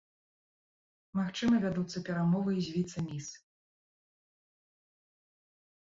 Магчыма, вядуцца перамовы з віцэ-міс.